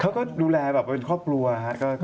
เขาก็ดูแลแบบเป็นครอบครัวครับ